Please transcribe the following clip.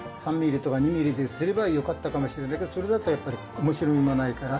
３ｍｍとか２ｍｍですればよかったかもしれないけどそれだとやっぱり面白みがないから。